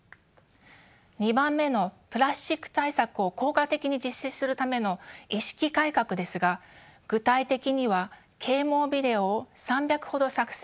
２番目のプラスチック対策を効果的に実施するための意識改革ですが具体的には啓もうビデオを３００ほど作成